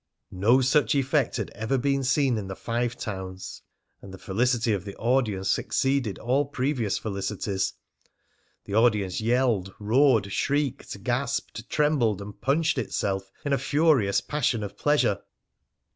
No such effect had ever been seen in the Five Towns, and the felicity of the audience exceeded all previous felicities. The audience yelled, roared, shrieked, gasped, trembled, and punched itself in a furious passion of pleasure.